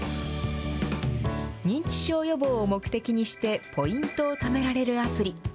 認知症予防を目的にしてポイントをためられるアプリ。